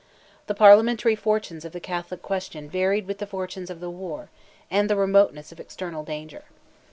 The Parliamentary fortunes of the Catholic question varied with the fortunes of the war, and the remoteness of external danger.